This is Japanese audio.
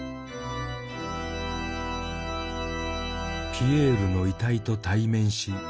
ピエールの遺体と対面しぼう然